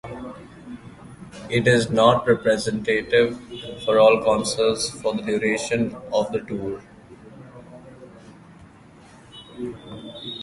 It is not representative for all concerts for the duration of the tour.